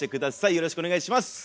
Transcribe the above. よろしくお願いします！